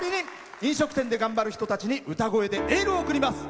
飲食店で頑張る人たちに歌声でエールを送ります。